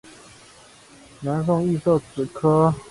南宋亦设此科。